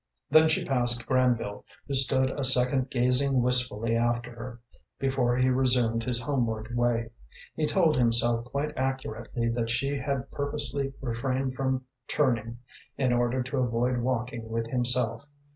Then she passed Granville, who stood a second gazing wistfully after her, before he resumed his homeward way. He told himself quite accurately that she had purposely refrained from turning, in order to avoid walking with himself.